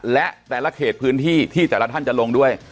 และแต่ละเขตพื้นที่ที่แต่ละท่านจะลงด้วย